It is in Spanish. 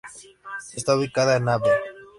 Esta ubicada en Av.